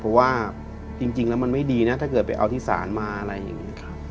เพราะว่าจริงแล้วมันไม่ดีนะถ้าเกิดไปเอาที่ศาลมาอะไรอย่างนี้